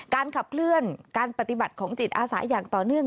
ขับเคลื่อนการปฏิบัติของจิตอาสาอย่างต่อเนื่อง